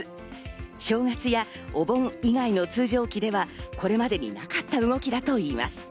正月やお盆以外の通常期ではこれまでになかった動きだといいます。